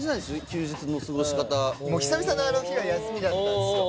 休日の過ごし方久々のあの日が休みだったんすよ